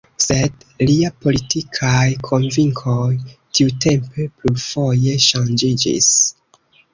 Sed lia politikaj konvinkoj tiutempe plurfoje ŝanĝiĝis.